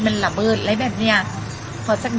สุดท้ายสุดท้ายสุดท้ายสุดท้าย